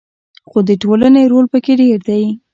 خو د ټولنې رول پکې ډیر دی.